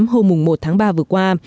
hôm một tháng ba vừa qua